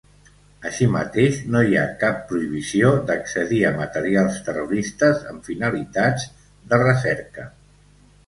Així mateix, no hi ha cap "prohibició" d'accedir a materials terroristes amb finalitats de recerca.